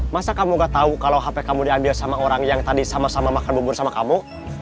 masa kamu gak tahu kalau hp kamu diambil sama orang yang tadi sama sama makan bubur sama kamu